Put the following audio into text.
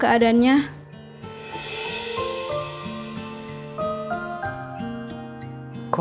jangan baik baik pak